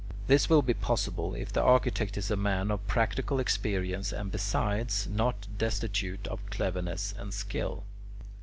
This will be possible, if the architect is a man of practical experience and, besides, not destitute of cleverness and skill.